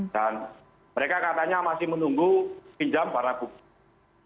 dan mereka katanya masih menunggu pinjam para bukti